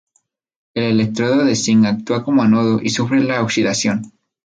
El electrodo de zinc actúa como ánodo y sufre la oxidación.